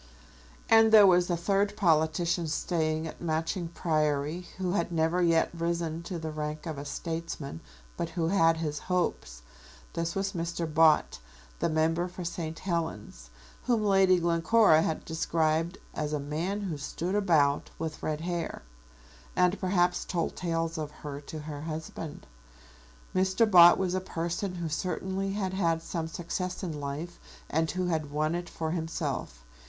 And there was a third politician staying at Matching Priory who had never yet risen to the rank of a statesman, but who had his hopes. This was Mr. Bott, the member for St. Helens, whom Lady Glencora had described as a man who stood about, with red hair, and perhaps told tales of her to her husband. Mr. Bott was a person who certainly had had some success in life and who had won it for himself.